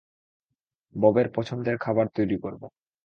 ববের পছন্দের খাবার তৈরি করব।